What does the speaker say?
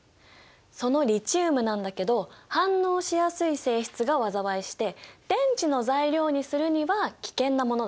そのリチウムなんだけど反応しやすい性質が災いして電池の材料にするには危険なものだったんだ。